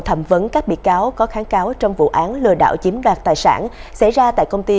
thẩm vấn các bị cáo có kháng cáo trong vụ án lừa đảo chiếm đoạt tài sản xảy ra tại công ty